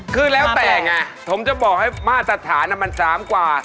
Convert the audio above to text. คือแล้วแต่ไงผมจะบอกให้มาตรฐานมัน๓กว่า